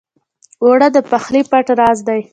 اوړه د پخلي پټ راز دی